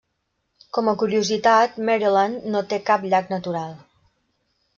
Com a curiositat, Maryland no té cap llac natural.